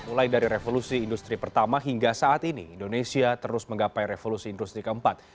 mulai dari revolusi industri pertama hingga saat ini indonesia terus menggapai revolusi industri keempat